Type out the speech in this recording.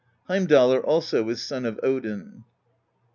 Heimdallr also is son of Odin.